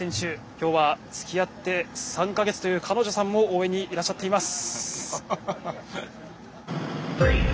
今日はつきあって３か月という彼女さんも応援にいらっしゃっています。